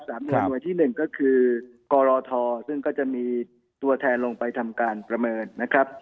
หน่วยที่หนึ่งก็คือกรทซึ่งก็จะมีตัวแทนลงไปทำการประเมินนะครับ